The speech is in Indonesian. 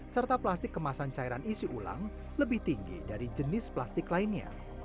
serta plastik kemasan cairan isi ulang lebih tinggi dari jenis plastik lainnya